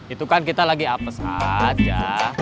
itu kan kita lagi apes aja